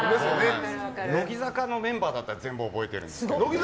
乃木坂のメンバーだったら全部覚えてるんですけど。